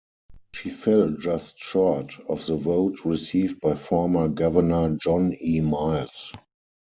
She fell just short of the vote received by former Governor John E. Miles.